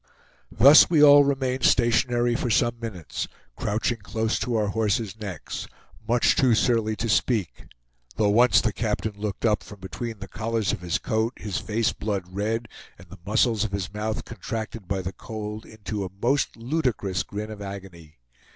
Thus we all remained stationary for some minutes, crouching close to our horses' necks, much too surly to speak, though once the captain looked up from between the collars of his coat, his face blood red, and the muscles of his mouth contracted by the cold into a most ludicrous grin of agony.